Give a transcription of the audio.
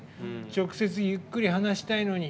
直接ゆっくり話したいのに。